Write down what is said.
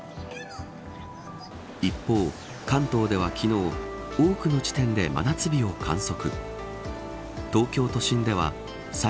一方、関東では昨日多くの地点で真夏日を観測。